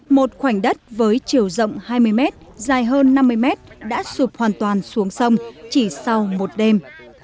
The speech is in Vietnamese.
một khoảnh đất với chiều rộng hai mươi mét dài hơn năm mươi mét đã sụp hoàn toàn xuống sông chỉ sau một đêm